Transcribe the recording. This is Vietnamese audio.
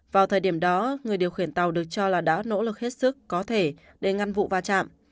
vào thời điểm đó người điều khiển tàu được cho là đã nỗ lực hết sức có thể để ngăn vụ va chạm